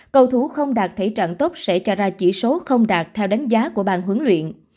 cầu thủ không đạt thể trạng tốt sẽ cho ra chỉ số không đạt theo đánh giá của bàn huấn luyện